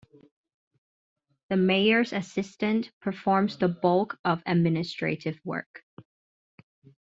The mayor's assistant performs the bulk of administrative work.